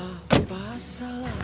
antum jangan masuk